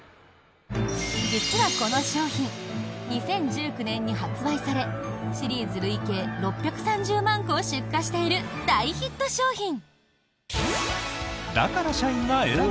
実はこの商品２０１９年に発売されシリーズ累計６３０万個を出荷している大ヒット商品。